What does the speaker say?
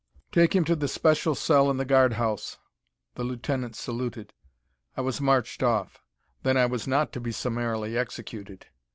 "Take him to the special cell in the guard house." The lieutenant saluted. I was marched off. Then I was not to be summarily executed.